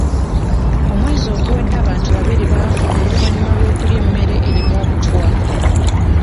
Omwezi oguwedde abantu babiri baafa oluvannyuma lw'okulya emmere erimu obutwa.